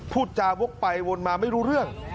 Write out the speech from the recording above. พูดจาวกไปวนมาไม่รู้เรื่อง